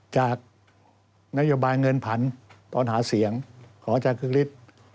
จากนโยบายเงินผันตอนหาเสียงขอจักรฤทธิ์